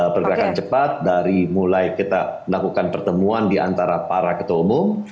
pergerakan cepat dari mulai kita melakukan pertemuan di antara para ketua umum